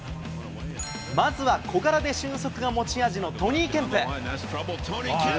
まずは小柄で俊足が持ち味のトニー・ケンプ。